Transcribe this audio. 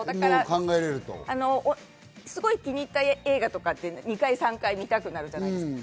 すごい気に入った映画とか、２回、３回見たくなるじゃないですか。